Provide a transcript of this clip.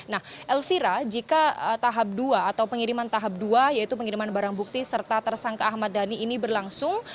nah elvira jika tahap dua atau pengiriman tahap dua yaitu pengiriman barang bukti serta tersangka ahmad dhani ini berlangsung